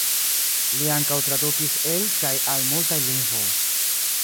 Li ankaŭ tradukis el kaj al multaj lingvoj.